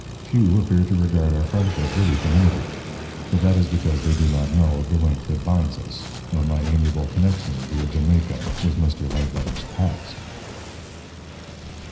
Few appear to regard our friendship with equanimity. But that is because they do not know of the link that binds us, of my amiable connection via Jamaica with Mr. Ledbetter's past.